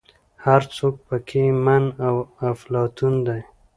هر څوک په کې من او افلاطون دی.